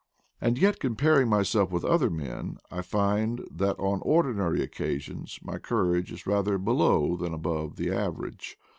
And yet, comparing myself with other men, I find that on ordinary occasions my courage is rather below than above the average.